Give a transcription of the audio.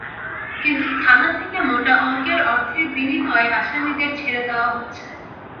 কিন্তু থানা থেকে মোটা অঙ্কের অর্থের বিনিময়ে আসামিদের ছেড়ে দেওয়া হচ্ছে।